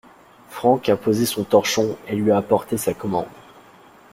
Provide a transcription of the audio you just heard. Franck a posé son torchon et lui a apporté sa commande.